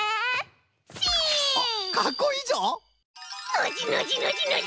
ノジノジノジノジ！